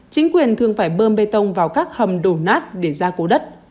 chính quyền thường phải bơm bê tông vào các hầm đổ nát để ra cố đất